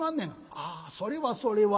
「ああそれはそれは」。